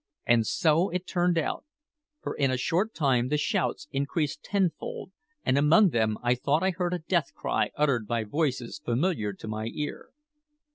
And so it turned out; for in a short time the shouts increased tenfold, and among them I thought I heard a death cry uttered by voices familiar to my ear.